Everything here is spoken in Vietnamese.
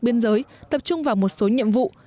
biên giới tập trung vào một số nhiệm vụ